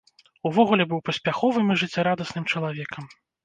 Увогуле быў паспяховым і жыццярадасным чалавекам.